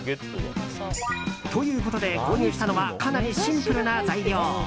ということで、購入したのはかなりシンプルな材料。